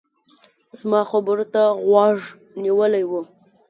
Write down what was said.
زما خبرو ته غوږ نيولی و.